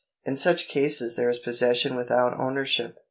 In such cases there is possession without ownership.